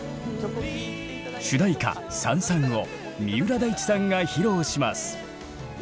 主題歌「燦燦」を三浦大知さんが披露します。